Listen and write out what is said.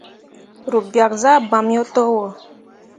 Ru biak zah bamme yo towo.